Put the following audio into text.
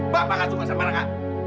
bapak gak suka sama raka